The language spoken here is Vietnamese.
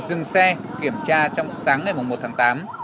dừng xe kiểm tra trong sáng ngày một tháng tám